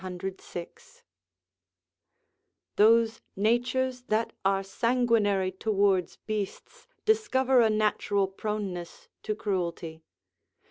] Those natures that are sanguinary towards beasts discover a natural proneness to cruelty.